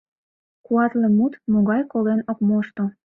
Куатле мут — могай колен ок мошто.